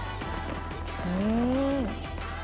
うん。